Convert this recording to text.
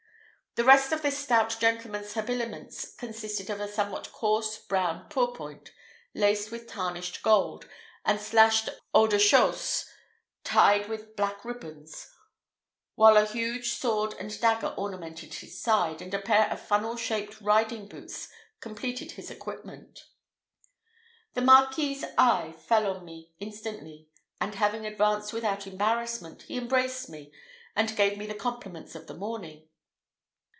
The rest of this stout gentleman's habiliments consisted of a somewhat coarse brown pourpoint, laced with tarnished gold, and a slashed haut de chausse, tied with black ribands; while a huge sword and dagger ornamented his side, and a pair of funnel shaped riding boots completed his equipment. The Marquis's eye fell upon me instantly, and, advancing without embarrassment, he embraced me, and gave me the compliments of the morning.